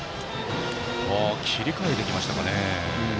切り替えてきました。